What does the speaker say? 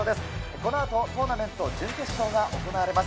このあと、トーナメント準決勝が行われます。